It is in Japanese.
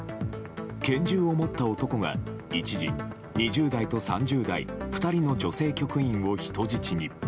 拳銃を持った男が一時、２０代と３０代２人の女性局員を人質に。